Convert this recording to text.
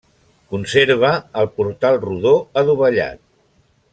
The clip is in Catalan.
Conserva el portal rodó adovellat.